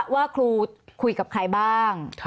ว่าครูคุยกับใครบ้าง